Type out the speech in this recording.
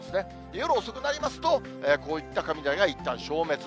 夜遅くになりますと、こういった雷がいったん消滅。